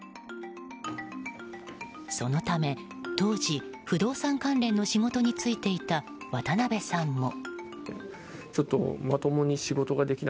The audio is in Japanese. そのため、当時、不動産関連の仕事に就いていた渡邊さんも。